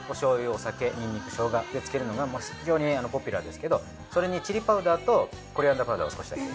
お酒にんにくしょうがで漬けるのが非常にポピュラーですけどそれにチリパウダーとコリアンダーパウダーを少しだけ。